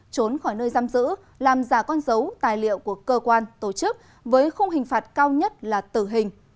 trốn khỏi nơi giam giữ làm giả con dấu tài liệu của cơ quan tổ chức với khung hình phạt cao nhất là tử hình